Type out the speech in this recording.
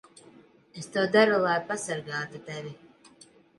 Es to daru, lai pasargātu tevi.